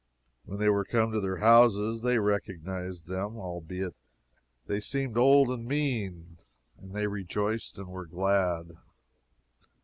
When they were come to their houses, they recognized them, albeit they seemed old and mean; and they rejoiced, and were glad.